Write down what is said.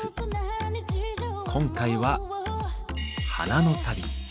今回は「花の旅」。